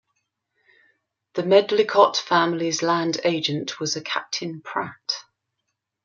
The Medlycott family's land agent was a Captain Pratt.